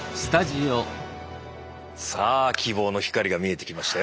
さあ希望の光が見えてきましたよ。